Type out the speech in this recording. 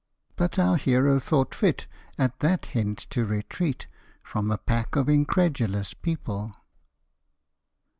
But our hero thought fit, at that hint to retreat From a pack of incredulous people.